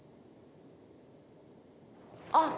あっ。